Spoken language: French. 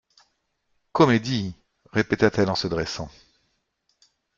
—«Comédie !» répéta-t-elle en se dressant.